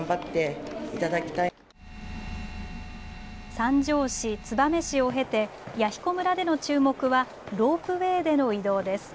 三条市、燕市を経て弥彦村での注目はロープウエーでの移動です。